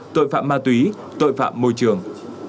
tội phạm ma túy tội phạm môi trường